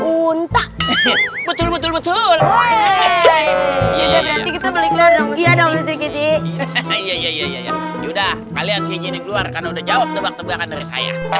untah betul betul betul betul kita boleh keluar udah jawab tebak tebakan dari saya